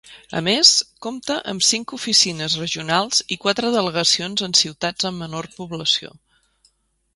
A més, compta amb cinc oficines regionals i quatre delegacions en ciutats amb menor població.